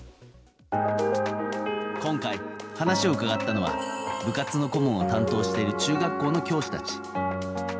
今回、話を伺ったのは部活の顧問を担当している中学校の教師たち。